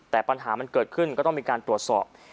แต่ปัญหามันเกิดขึ้นก็ต้องมีการตรวจสอบ